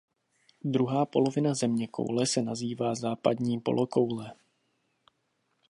Druhá polovina zeměkoule se nazývá západní polokoule.